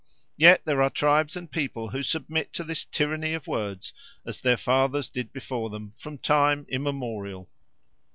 Yet there are tribes and people who submit to this tyranny of words as their fathers did before them from time immemorial.